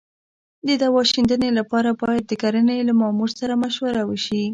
د دوا شیندنې لپاره باید د کرنې له مامور سره مشوره وشي.